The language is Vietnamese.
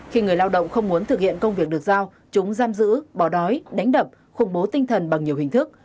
khi người lao động không muốn thực hiện công việc được giao chúng giam giữ bỏ đói đánh đập khủng bố tinh thần bằng nhiều hình thức